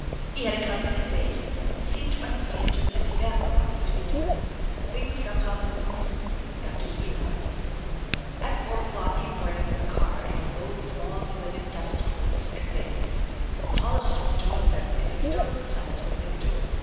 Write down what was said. He had a kindly face, and seemed to understand just exactly what was to be done. Things somehow moved more smoothly after he arrived. At four o'clock came Graham with the car and a load of long linen dust cloaks and veils. The Hollisters donned them and bestowed themselves where they were told.